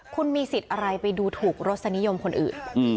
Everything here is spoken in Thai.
คุณมีสิทธิ์อะไรไปดูถูกรสนิยมคนอื่น